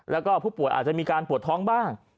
แล้วก็ผู้ป่วยอาจจะมีการปวดท้องบ้าง